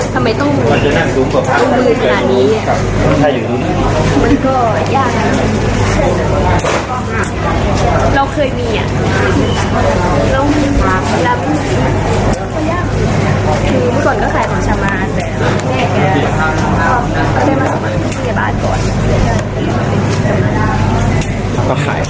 ผมสนุกว่าอาจจะเกิดมันกลายไปและผู้หญิงก็จะเป็นคนรักของทีวี